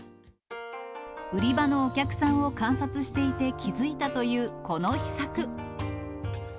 売り場のお客さんを観察していて気付いたというこの秘策。